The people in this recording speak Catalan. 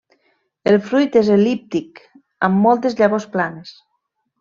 El fruit és el·líptic amb moltes llavors planes.